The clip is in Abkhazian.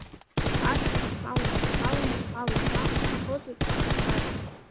Ашьха схалон, схалон, схалон, наҟ сынхыҵуеит акаҵәара.